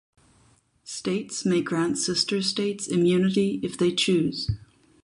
States may grant sister states immunity if they choose.